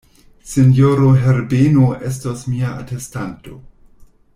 Sinjoro Herbeno estos mia atestanto.